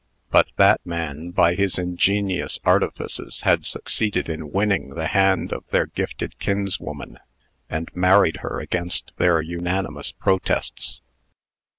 But that man, by his ingenious artifices, had succeeded in winning the hand of their gifted kinswoman, and married her against their unanimous protests.